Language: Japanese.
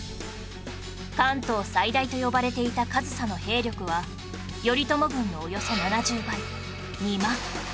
関東最大と呼ばれていた上総の兵力は頼朝軍のおよそ７０倍２万